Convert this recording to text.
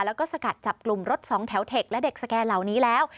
แล้วก็สกัดจับกลุ่มรถสองแถวเทคและเด็กสแกนเหล่านี้แล้ว